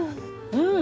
うん！